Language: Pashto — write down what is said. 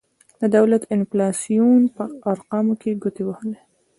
د دولت د انفلاسیون په ارقامو کې ګوتې وهلي.